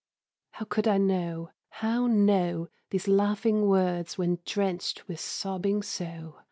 _" How could I know, how know Those laughing words when drenched with sobbing so?